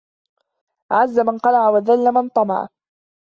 عَزَّ من قنع وذل من طمع